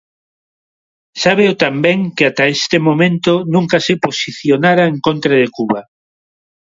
Sábeo tan ben, que ata este momento, nunca se posicionara en contra de Cuba.